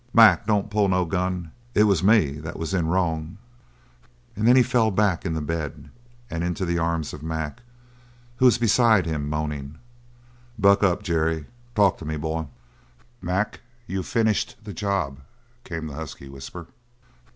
"Mac, don't pull no gun! It was me that was in wrong!" And then he fell back in the bed, and into the arms of Mac, who was beside him, moaning: "Buck up, Jerry. Talk to me, boy!" "Mac, you've finished the job," came the husky whisper.